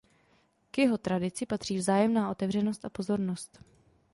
K jeho tradici patří vzájemná otevřenost a pozornost.